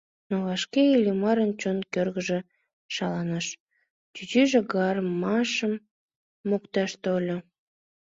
Но вашке Иллимарын чон кочыжо шаланыш: чӱчӱжӧ гамашым мокташ тольо.